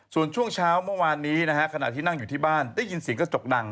ส่วนช่วงเช้าเมื่อวานนี้นะฮะขณะที่นั่งอยู่ที่บ้านได้ยินเสียงกระจกดัง